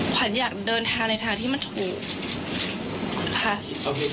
ขวัญอยากเดินทางในทางที่มันถูกค่ะ